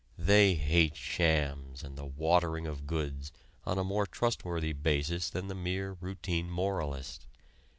They hate shams and the watering of goods on a more trustworthy basis than the mere routine moralist.